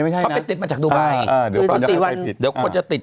ไม่ใช่นะเขาไปติดมาจากดูไบอ่าคือสิบสี่วันเดี๋ยวคนจะติด